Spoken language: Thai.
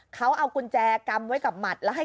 ตอนต่อไป